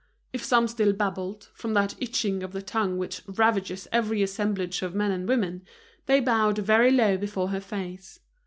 If some still babbled, from that itching of the tongue which ravages every assemblage of men and women, they bowed very low before her face.